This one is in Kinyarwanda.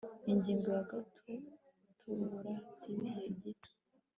ingingo ya gutubura by igihe gito